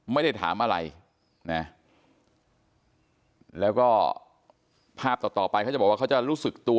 ไม่ได้ถามอะไรนะแล้วก็ภาพต่อต่อไปเขาจะบอกว่าเขาจะรู้สึกตัว